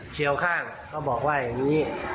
เชียวข้างก็บอกว่าอย่างนี้